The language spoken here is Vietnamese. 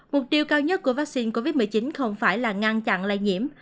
mục tiêu cao nhất của vaccine covid một mươi chín không phải là ngăn chặn lây nhiễm